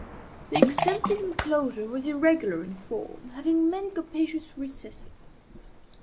The extensive enclosure was irregular in form, having many capacious recesses.